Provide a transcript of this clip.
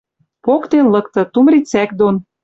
Поктен лыкты. Тум рицӓк дон